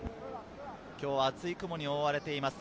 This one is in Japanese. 今日は厚い雲に覆われています